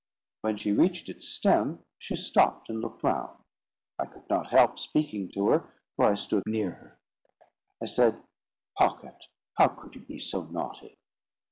When she reached its stem, she stopped and looked round. I could not help speaking to her, for I stood near her. I said, "Pocket, how could you be so naughty?"